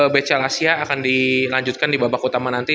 bechel asia akan dilanjutkan di babak utama nanti